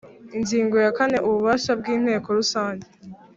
Ingingo ya kane Ububasha bw Inteko Rusange